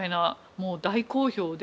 もう大好評で。